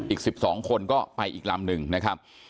อีก๑๒คนก็ไปอีก๑ลำนะครับ